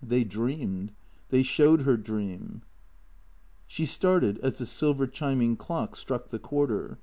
They dreamed. They showed her dream. She started as the silver chiming clock struck the quarter.